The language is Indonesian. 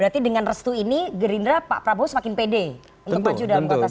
berarti dengan restu ini gerindra pak prabowo semakin pede untuk maju dalam kontestasi